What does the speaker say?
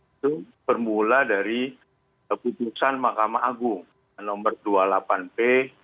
itu bermula dari keputusan mahkamah agung nr dua puluh delapan p dua ribu dua puluh satu